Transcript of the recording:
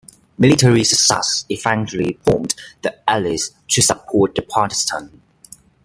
Military success eventually prompted the Allies to support the Partisans.